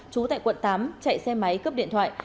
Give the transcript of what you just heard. trú tại quận tám chạy xe máy cướp điện thoại